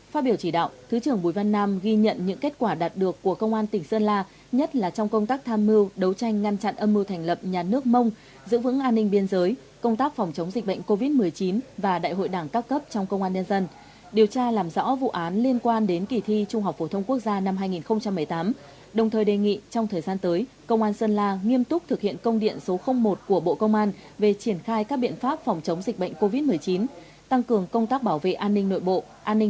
phát biểu chỉ đạo thứ trưởng bùi văn nam ghi nhận những kết quả đạt được của công an tỉnh sơn la nhất là trong công tác tham mưu đấu tranh ngăn chặn âm mưu thành lập nhà nước mông giữ vững an ninh biên giới công tác phòng chống dịch bệnh covid một mươi chín và đại hội đảng các cấp trong công an nhân dân điều tra làm rõ vụ án liên quan đến kỳ thi trung học phổ thông quốc gia năm hai nghìn một mươi tám đồng thời đề nghị trong thời gian tới công an sơn la nghiêm túc thực hiện công điện số một của bộ công an về triển khai các biện pháp phòng chống dịch bệnh covid một mươi chín tăng cường công tác bảo vệ an nin